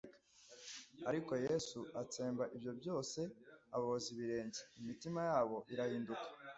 Ariko Yesu atsemba ibyo byose aboza ibirenge. Imitima yabo irahinduka.